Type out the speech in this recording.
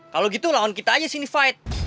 kalau gitu lawan kita aja sini fight